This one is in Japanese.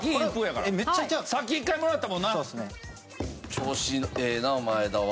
調子ええなあ前田は。